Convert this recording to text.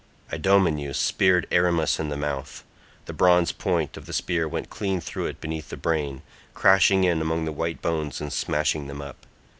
Idomeneus speared Erymas in the mouth; the bronze point of the spear went clean through it beneath the brain, crashing in among the white bones and smashing them up.